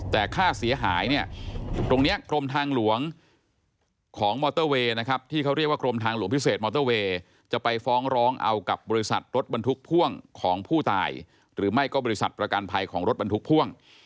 แต่ค่าเสียหายเนี่ยตรงนี้กรมทางหลวงของมอเตอร์เวย์นะครับที่เขาเรียกว่ากรมทางหลวงพิเศษมอเตอร์เวย์จะไปฟ้องร้องเอากับบริษัทรถบรรทุกพ่วงของผู้ตายหรือไม่ก็บริษัทประกันภัยของรถบรรทุกพ่วง